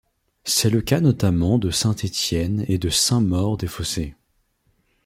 C'est le cas notamment de Saint-Étienne et de Saint-Maur-des-Fossés.